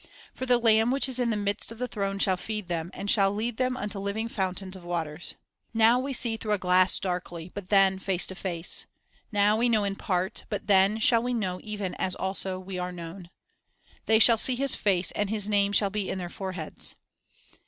For the Lamb which is in the midst of the throne shall feed them, and shall lead them unto living fountains of waters." 1 "Now we see through a glass, darkly; but then face to face:" now we know in part; but then shall we know even as also we are known. 2 "They shall see His face; and His name shall be in their foreheads."